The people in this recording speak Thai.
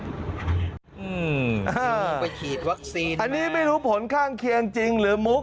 อืมไปฉีดวัคซีนอันนี้ไม่รู้ผลข้างเคียงจริงหรือมุก